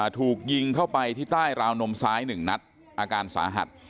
ถูกยิงเข้าไปที่ใต้ราวนมซ้าย๑นัดอาการสาหัส